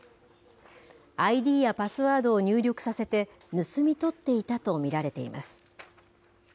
ＩＤやパスワードを入力させて盗み取っていたと見られています。